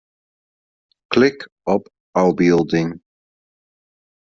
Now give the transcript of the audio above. Klik op ôfbylding.